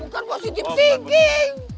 bukan positif thinking